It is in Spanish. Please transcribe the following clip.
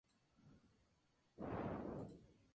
Allí da clases en el Liceo de Ratisbona.